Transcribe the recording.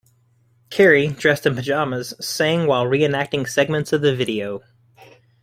Carey, dressed in pajamas, sang while re-enacting segments of the video.